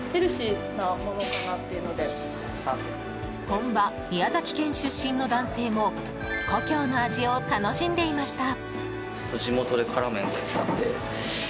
本場・宮崎県出身の男性も故郷の味を楽しんでいました。